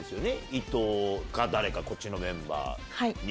いとうかこっちのメンバーに。